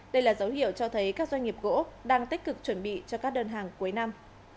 đây là dấu hiệu cho thấy các doanh nghiệp gỗ đang tích cực chuẩn bị cho các đơn hàng cuối năm